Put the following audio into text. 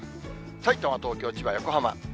さいたま、東京、千葉、横浜。